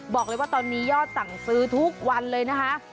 บอกเลยว่าตอนนี้ยอดสั่งซื้อทุกวันเลยนะคะ